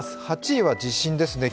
８位は地震ですね。